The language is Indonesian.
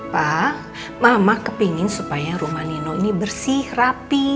pa mama kepengen supaya rumah nino ini bersih rapi